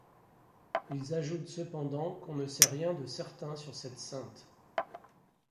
Ils ajoutent cependant qu'on ne sait rien de certain sur cette sainte.